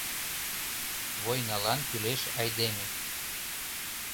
Войналан кӱлеш айдеме